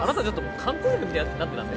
観光客みたいになってません？